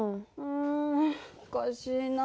うんおかしいな。